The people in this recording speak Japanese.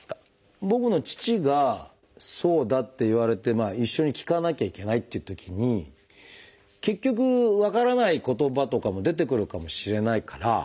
僕の父がそうだって言われて一緒に聞かなきゃいけないというときに結局分からない言葉とかも出てくるかもしれないから